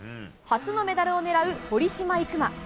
初のメダルを狙う堀島行真。